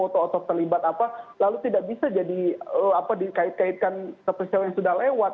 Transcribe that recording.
foto foto terlibat apa lalu tidak bisa jadi apa dikait kaitkan seperti siapa yang sudah lewat